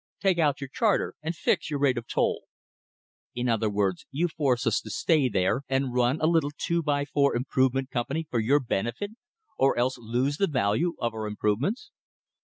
Take out your charter and fix your rate of toll." "In other words, you force us to stay there and run a little two by four Improvement Company for your benefit, or else lose the value of our improvements?"